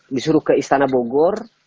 disuruh ke istana bogor